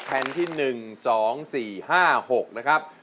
แผ่นที่๑๒๔๕๖นะครับ